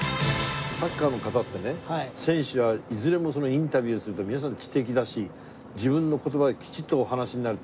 サッカーの方ってね選手はいずれもインタビューすると皆さん知的だし自分の言葉できちっとお話しになる。